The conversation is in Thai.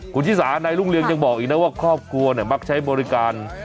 คุณชิสานายรุ่งเรืองยังบอกอีกนะว่าครอบครัวเนี่ยมักใช้บริการ